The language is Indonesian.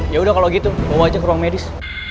yaudah kalo gitu bawa aja ke ruang medis